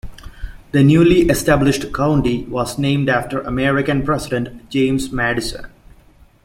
The newly established county was named for American president James Madison.